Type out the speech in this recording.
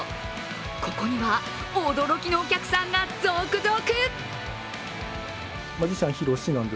ここには、驚きのお客さんが続々。